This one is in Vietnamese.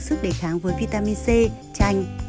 sức đề kháng với vitamin c chanh